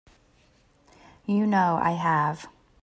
You know I have.